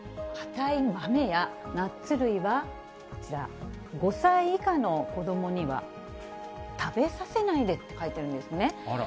硬い豆やナッツ類はこちら、５歳以下の子どもには食べさせないでって書いてるんですね。